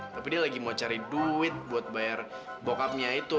tapi dia lagi mau cari duit buat bayar bokapnya itu